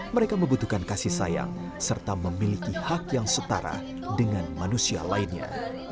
mereka membutuhkan kasih sayang serta memiliki hak yang setara dengan manusia lainnya